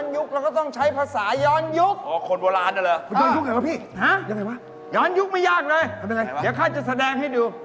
พูดแก่เขาจากนี้เขาฟังไม่รู้เรื่อง